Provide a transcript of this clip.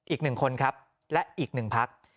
อีกหนึ่งคนครับและอีกหนึ่งพักฯ